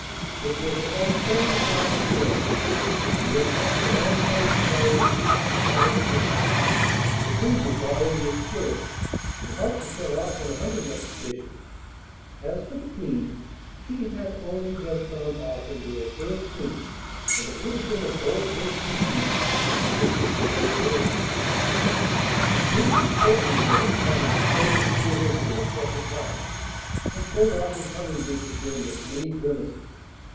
It was about seven o'clock in the morning when this extraordinary chariot reached the palace gates; the King was already astir, and about to set off on a hunting expedition; as for the Queen, she had only just gone off into her first sleep, and it would have been a bold person indeed who ventured to wake her. The King was greatly annoyed at having to stay and see a visitor at such a time, and pulled off his hunting boots again with many grimaces.